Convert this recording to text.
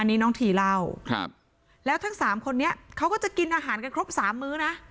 อันนี้น้องทีเล่าครับแล้วทั้งสามคนนี้เขาก็จะกินอาหารกันครบสามมื้อนะ